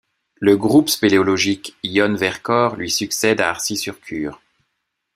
Le Groupe Spéléologique Yonne-Vercors lui succède à Arcy-sur-Cure.